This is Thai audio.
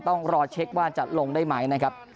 ต้องรอเช็คว่าจะลงได้ไหมนะครับ